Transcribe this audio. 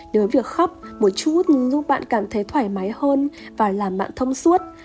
nếu việc khóc một chút giúp bạn cảm thấy thoải mái hơn và làm bạn thông suốt hãy cứ khóc đi